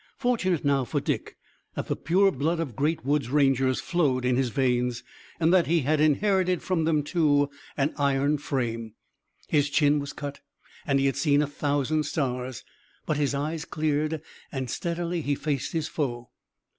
Fortunate now for Dick that the pure blood of great woods rangers flowed in his veins, and that he had inherited from them too an iron frame. His chin was cut and he had seen a thousand stars. But his eyes cleared and steadily he faced his foe.